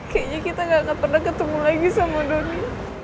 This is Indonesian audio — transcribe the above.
kayaknya kita gak pernah ketemu lagi sama doni